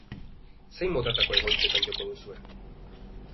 Zein motatako egoitzetan joko duzue?